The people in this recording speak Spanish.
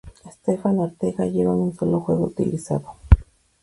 Stefan Ortega llegó en un solo juego utilizado.